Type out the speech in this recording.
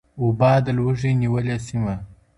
وبا د لوږي نیولې سیمه